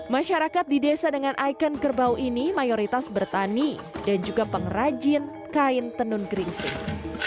masyarakat di desa dengan ikon kerbau ini mayoritas bertani dan juga pengrajin kain tenun geringsing